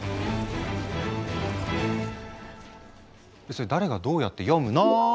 それ誰がどうやって読むノーン！